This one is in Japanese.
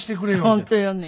本当よね。